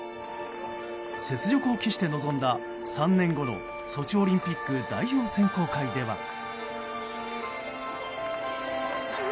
雪辱を期して臨んだ３年後のソチオリンピック代表選考会では。